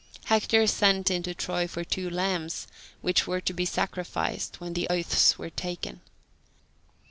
Hector sent into Troy for two lambs, which were to be sacrificed when the oaths were taken.